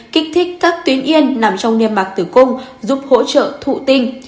kích thích các tuyến yên nằm trong niêm mạc tử cung giúp hỗ trợ thụ tinh